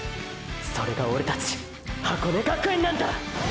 それがオレたち箱根学園なんだァ！！